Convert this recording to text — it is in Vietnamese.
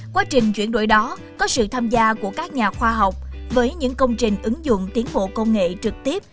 quá trình chuyển đổi đó có sự tham gia của các nhà khoa học với những công trình ứng dụng tiến bộ công nghệ trực tiếp